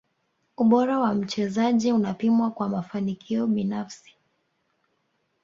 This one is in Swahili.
ubora wa mchezaji unapimwa kwa mafanikio binafsi